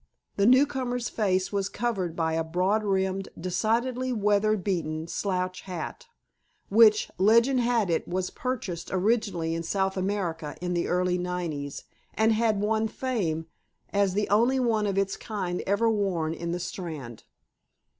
The newcomer's face was covered by a broad brimmed, decidedly weather beaten slouch hat, which, legend had it, was purchased originally in South America in the early nineties, and had won fame as the only one of its kind ever worn in the Strand.